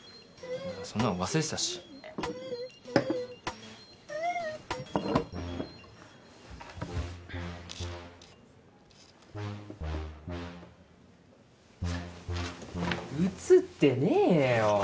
そんなの忘れてたし写ってねぇよ